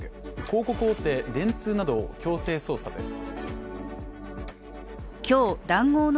広告大手、電通などを強制捜査です。